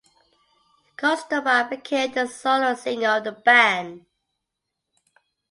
Kostova became the solo singer of the band.